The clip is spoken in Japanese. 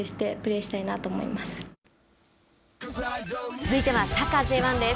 続いてはサッカーＪ１です。